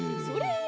それ！